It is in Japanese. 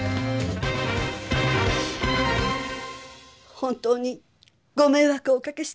本当にごめいわくをおかけして。